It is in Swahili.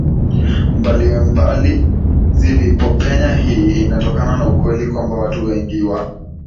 mbalimbali zilipopenya Hii inatokana na ukweli kwamba watu wengi wa